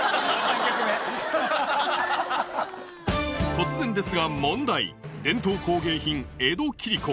突然ですが問題伝統工芸品江戸切子